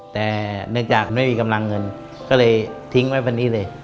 แต่เนื่องจากไม่มีกำลังเงินก็เลยทิ้งไว้บนนี้เลย